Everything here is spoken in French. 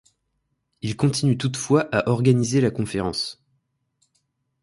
Il continue toutefois à organiser la conférence.